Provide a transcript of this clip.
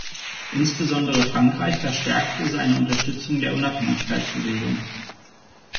Insbesondere Frankreich verstärkte seine Unterstützung der Unabhängigkeitsbewegung.